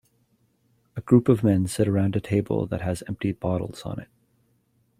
A group of men sit around a table that has empty bottles on it.